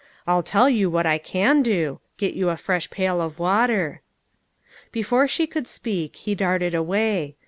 I'll tell you what I can do get you a fresh pail of water." Before she could speak, he darted away.